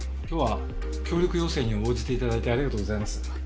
今日は協力要請に応じて頂いてありがとうございます。